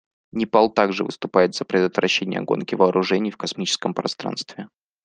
Непал также выступает за предотвращение гонки вооружений в космическом пространстве.